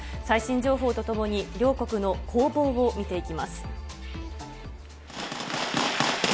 最新情報とともに、両国の攻防を見ていきます。